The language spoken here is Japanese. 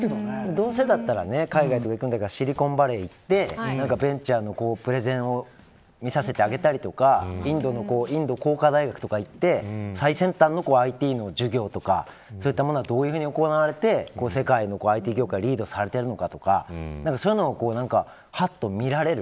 どうせだったら海外行くんだったらシリコンバレーに行ってベンチャーのプレゼンを見させてあげたりとかインド工科大学とか行って最先端のＩＴの事業とかそういったものがどういうふうに行われて世界のＩＴ業界がリードされてるのかとかそういうのを見られる。